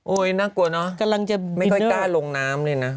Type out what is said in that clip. โอ๊ยน่ากลัวนะกำลังจะบินเตอร์ไม่ค่อยกล้าลงน้ำเลยนะ